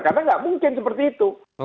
karena nggak mungkin seperti itu